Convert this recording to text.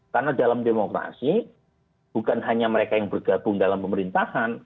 karena dalam demokrasi bukan hanya mereka yang bergabung dalam pemerintahan